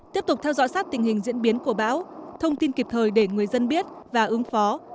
tiếp tục theo dõi sát tình hình diễn biến của bão thông tin kịp thời để người dân biết và ứng phó